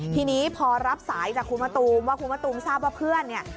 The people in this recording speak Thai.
ทีนี้พอรับสายจากคุณมะตูมว่าคุณมะตูมทราบว่าเพื่อนเนี่ย